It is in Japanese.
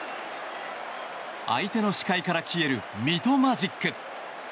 相手の視界から消えるミトマジック。